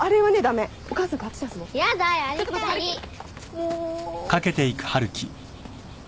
もう！